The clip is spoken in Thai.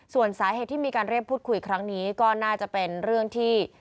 ส่วนสาเหตุที่มีการเรียกพูดคุยครั้งนี้ก็น่าจะเป็นเรื่องที่